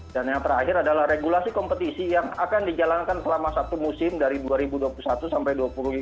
dan yang terakhir adalah regulasi kompetisi yang akan dijalankan selama satu musim dari dua ribu dua puluh satu sampai dua ribu dua puluh dua